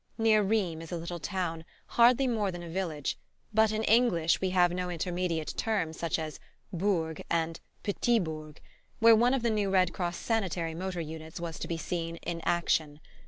Near Rheims is a little town hardly more than a village, but in English we have no intermediate terms such as "bourg" and "petit bourg" where one of the new Red Cross sanitary motor units was to be seen "in action."